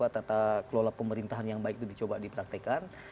kita kelola pemerintahan yang baik itu dicoba dipraktekan